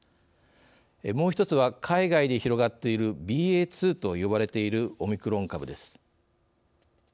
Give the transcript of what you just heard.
もう一つは海外で広がっているＢＡ．２と呼ばれているオミクロン株です。